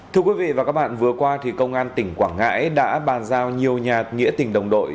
thưa quý vị và các bạn vừa qua công an tỉnh quảng ngãi đã bàn giao nhiều nhà nghĩa tình đồng đội